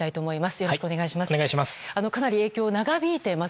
よろしくお願いします。